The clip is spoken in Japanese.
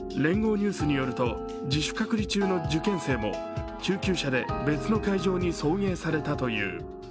ニュースによると、自主隔離中の受験生も救急車で別の会場に送迎されたという。